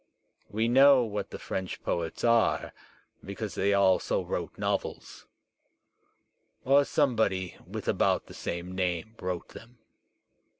We know what the French poets are, because they also wrote noveb — or somebody with about the same name wrote them.